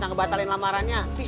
nih nih ayo jalannya yuk